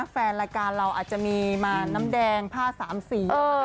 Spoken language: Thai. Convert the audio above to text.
แฟนรายการเราอาจจะมีมาน้ำแดงผ้าสามสี